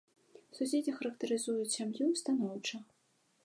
Суседзі характарызуюць сям'ю станоўча.